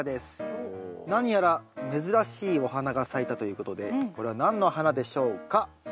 何やら珍しいお花が咲いたということでこれは何の花でしょうか？